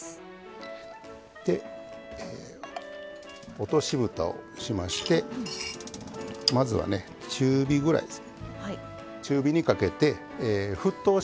落としぶたをしましてまずはね中火ぐらいです。